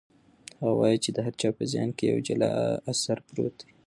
هغه وایي چې د هر چا په ذهن کې یو جلا اثر پروت دی.